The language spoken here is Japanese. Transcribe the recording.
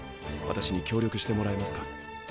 私に協力してもらえますか？